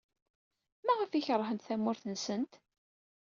Maɣef ay keṛhent tamurt-nsent?